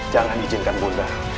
jangan izinkan bunda